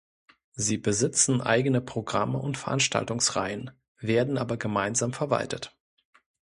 Sie besitzen eigene Programme und Veranstaltungsreihen, werden aber gemeinsam verwaltet.